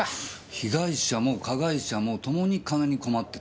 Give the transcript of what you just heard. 被害者も加害者もともに金に困ってた。